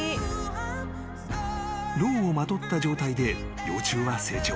［ろうをまとった状態で幼虫は成長］